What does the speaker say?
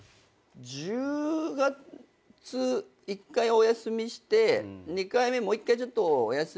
１０月１回お休みして２回目もう一回ちょっとお休みしますねぐらい。